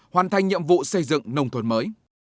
hoàn thành nhiệm vụ xây dựng nông thôn mới